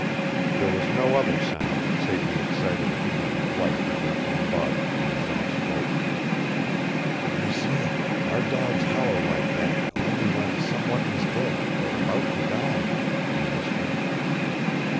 There was no other sound save the excited beating of life in their own bodies when Jean spoke. "M'seur, our dogs howl like that only when some one is dead or about to die," he whispered.